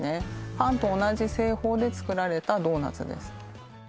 パンと同じ製法で作られたドーナツです